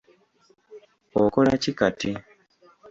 Okola ki kati?